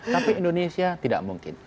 tapi indonesia tidak mungkin